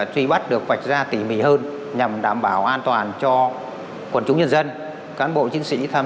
truy bắt được vạch ra tỉ mỉ hơn nhằm đảm bảo an toàn cho quần chúng nhân dân cán bộ chiến sĩ tham